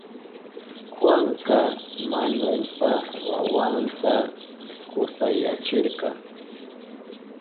Juanaka Manuelpa wawanta kusayachirka.